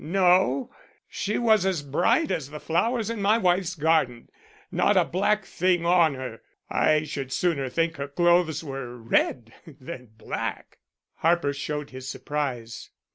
No, she was as bright as the flowers in my wife's garden. Not a black thing on her. I should sooner think her clothes were red than black." Harper showed his surprise.